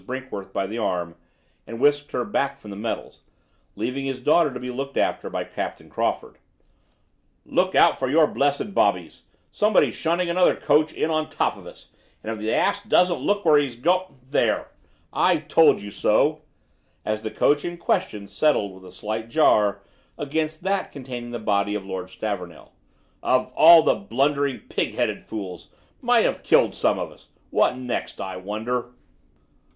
Brinkworth by the arm and whisked her back from the metals, leaving his daughter to be looked after by Captain Crawford, "look out for your blessed bobbies. Somebody's shunting another coach in on top of us; and if the ass doesn't look what he's doing There! I told you!" as the coach in question settled with a slight jar against that containing the body of Lord Stavornell. "Of all the blundering, pig headed fools! Might have killed some of us. What next, I wonder?"